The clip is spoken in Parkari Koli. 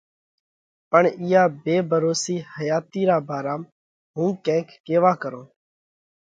پڻ اِيئا ڀي ڀروسِي حياتِي را ڀارام هُون ڪينڪ ڪيوا ڪرونه۔